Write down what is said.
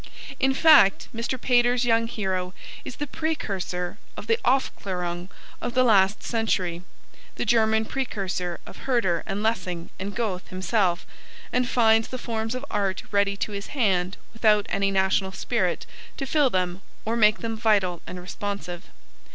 In fact Mr. Pater's young hero is the precursor of the Aufklarung of the last century, the German precursor of Herder and Lessing and Goethe himself, and finds the forms of art ready to his hand without any national spirit to fill them or make them vital and responsive.